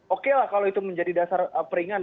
okelah kalau itu menjadi dasar peringan